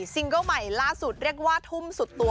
เกิ้ลใหม่ล่าสุดเรียกว่าทุ่มสุดตัว